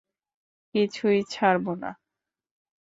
কিছুতেই ছাড়ব না।